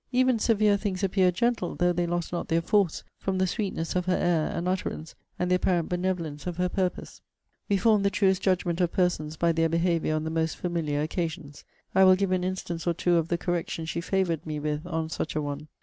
Even severe things appeared gentle, though they lost not their force, from the sweetness of her air and utterance, and the apparent benevolence of her purpose. We form the truest judgment of persons by their behaviour on the most familiar occasions. I will give an instance or two of the correction she favoured me with on such a one.